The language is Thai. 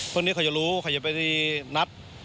พวกนี้เขาจะรู้เขาจะไปนัด